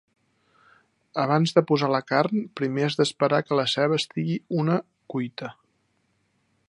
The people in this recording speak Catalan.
Abans de posar la carn, primer has d'esperar que la ceba estigui una cuita.